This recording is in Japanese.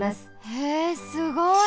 へえすごい！